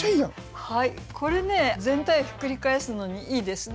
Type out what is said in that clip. これね全体をひっくり返すのにいいですね